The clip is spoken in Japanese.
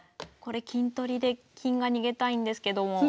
これ金取りで金が逃げたいんですけども。